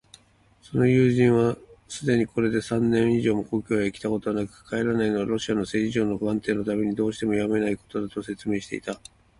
その友人はすでにこれで三年以上も故郷へきたことはなく、帰らないのはロシアの政治情勢の不安定のためにどうしてもやむをえぬことだ、と説明していた。